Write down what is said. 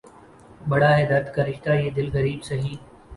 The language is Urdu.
بڑا ہے درد کا رشتہ یہ دل غریب سہی